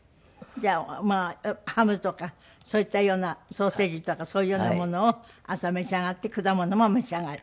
じゃあハムとかそういったようなソーセージとかそういうようなものを朝召し上がって果物も召し上がる？